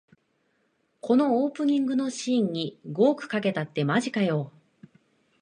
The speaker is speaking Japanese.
このオープニングのシーンに五億かけたってマジかよ